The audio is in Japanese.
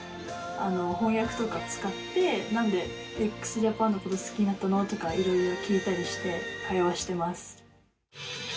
翻訳とか使って「なんでＸＪＡＰＡＮの事好きになったの？」とかいろいろ聞いたりして会話してます。